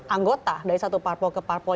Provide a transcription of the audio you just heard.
anggota dari satu parpol ke parpol